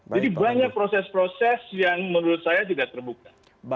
jadi banyak proses proses yang menurut saya tidak terbuka